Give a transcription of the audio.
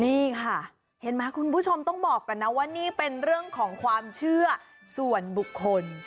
นี่ค่ะเห็นไหมคุณผู้ชมต้องบอกก่อนนะว่านี่เป็นเรื่องของความเชื่อส่วนบุคคล